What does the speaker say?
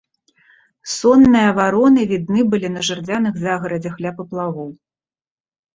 Сонныя вароны відны былі на жардзяных загарадзях ля паплавоў.